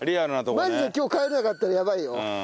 マジで今日帰れなかったらやばいよ。